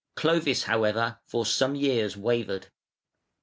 Clovis, however, for some years wavered.